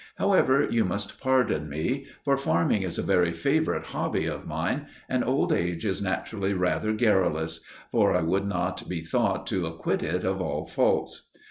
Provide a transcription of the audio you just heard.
However, you must pardon me; for farming is a very favourite hobby of mine, and old age is naturally rather garrulous for I would not be thought to acquit it of all faults.